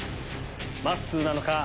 まっすーなのか？